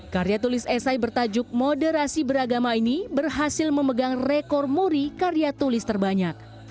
karya tulis esai bertajuk moderasi beragama ini berhasil memegang rekor muri karya tulis terbanyak